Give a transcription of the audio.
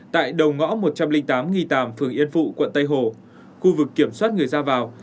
tại đồng ngõ một trăm linh tám nghì tàm phường yên phụ quận tây hồ khu vực kiểm soát người ra vào